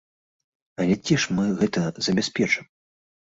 Але дзе ж мы гэта забяспечым?